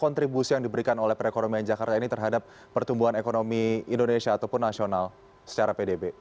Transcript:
kontribusi yang diberikan oleh perekonomian jakarta ini terhadap pertumbuhan ekonomi indonesia ataupun nasional secara pdb